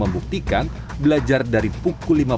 komunikasi pens primary school